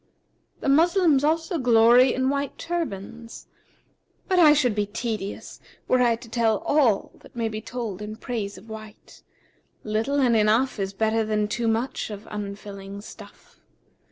The Moslems also glory in white turbands, but I should be tedious, were I to tell all that may be told in praise of white; little and enough is better than too much of unfilling stuff.